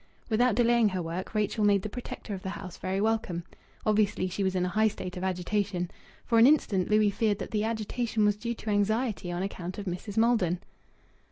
Without delaying her work, Rachel made the protector of the house very welcome. Obviously she was in a high state of agitation. For an instant Louis feared that the agitation was due to anxiety on account of Mrs. Maldon.